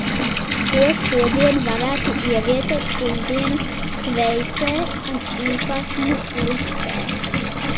Ko šodien varētu ievietot Pusdienu tveicē un Īpatņu listē.